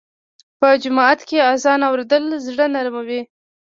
په جومات کې اذان اورېدل زړه نرموي.